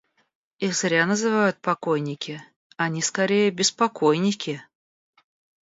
Их зря называют покойники, они скорее беспокойники.